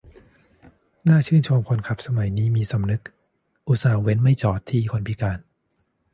น่าชื่นชมคนขับสมัยนี้มีสำนึก อุตส่าห์เว้นไม่จอดที่คนพิการ